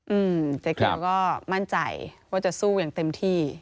อืมเจ๊เกียวก็มั่นใจว่าจะสู้อย่างเต็มที่